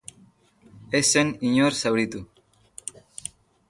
Ez zen inor zauritu.